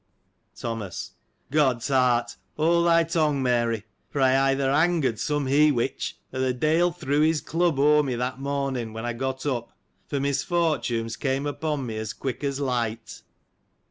Thomas. — God's heart ! Hold thy tongue, Mary ; for, I either angered some he witch, or the de'il threw his club o'er me, that morning, when I got up : for misfortunes came upon me as quick as light.